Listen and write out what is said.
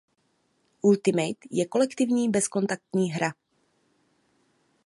Ultimate je kolektivní bezkontaktní hra.